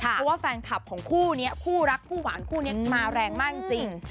เพราะว่าแฟนคลับของคู่นี้คู่รักคู่หวานคู่นี้มาแรงมากจริง